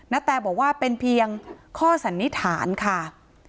แตบอกว่าเป็นเพียงข้อสันนิษฐานค่ะ